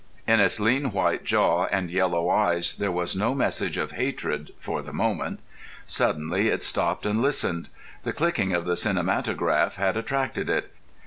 In its lean white jaw and yellow eyes there was no message of hatred for the moment. Suddenly it stopped and listened. The clicking of the cinematograph had attracted it.